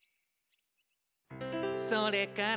「それから」